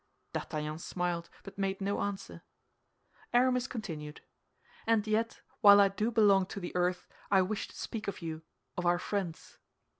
D'Artagnan smiled, but made no answer. Aramis continued, "And yet, while I do belong to the earth, I wish to speak of you—of our friends."